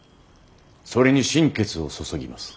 それに心血を注ぎます。